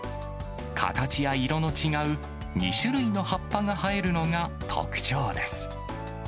形や色の違う２種類の葉っぱが生えるのが特徴です。